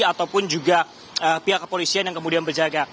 ataupun juga pihak kepolisian yang kemudian berjaga